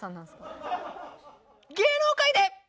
芸能界で！